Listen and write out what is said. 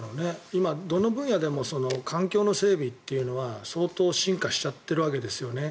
今、どの分野でも環境の整備というのは相当進化しちゃってるわけですよね。